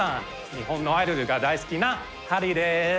日本のアイドルが大好きなハリーです！